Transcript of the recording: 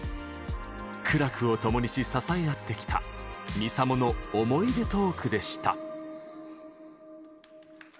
苦楽をともにし支え合ってきたＭＩＳＡＭＯの思い出トークでした。